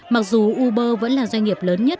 mặc dù uber vẫn là doanh nghiệp lớn nhất